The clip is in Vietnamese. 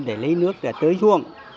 để lấy nước là tới ruộng